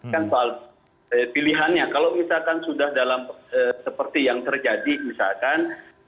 kan soal pilihannya kalau misalkan sudah dalam seperti yang terjadi misalkan